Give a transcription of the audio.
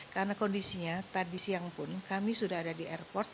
karena kondisinya tadi siang pun kami sudah ada di airport